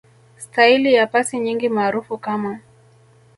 Staili ya pasi nyingi maarufu kama